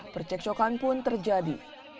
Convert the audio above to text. perceksokan pun terjadi